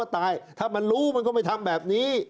ตายถ้ามันรู้มันก็ไม่ทำแบบนี้